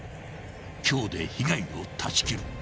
［今日で被害を断ち切る］